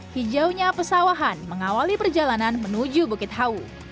hijaunya pesawahan mengawali perjalanan menuju bukit hawu